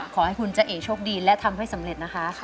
ขอให้คุณจ้าเอ๋โชคดีและทำให้สำเร็จนะคะ